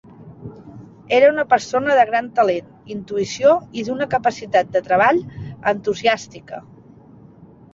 Era una persona de gran talent, intuïció i d'una capacitat de treball entusiàstica.